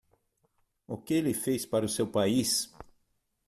O que ele fez para o seu país?